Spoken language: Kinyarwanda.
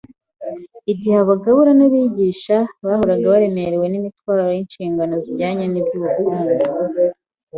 Igihe abagabura n’abigisha, bahora baremerewe n’imitwaro y’inshingano zijyana n’iby’ubukungu,